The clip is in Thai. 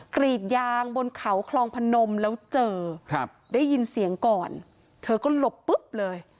กรีดยางบนเขาคลองพนมแล้วเจอครับได้ยินเสียงก่อนเธอก็หลบปุ๊บเลย